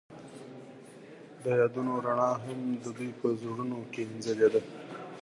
د یادونه رڼا هم د دوی په زړونو کې ځلېده.